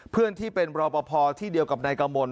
เพื่อนที่เป็นรอปภที่เดียวกับนายกมล